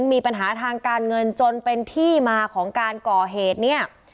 มีปัญหาทางการเงินจนเป็นที่มาของการก่อเหตุเนี่ย